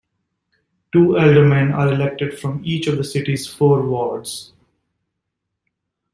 Two aldermen are elected from each of the city's four wards.